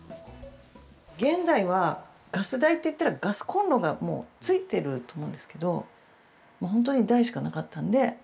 現代はガス台っていったらガスコンロがついていると思うんですけど本当に台しかなかったんで。